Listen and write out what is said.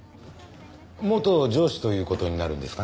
元上司という事になるんですかね？